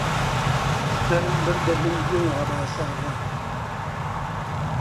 سەرم بردە بن گوێی هەباساغا: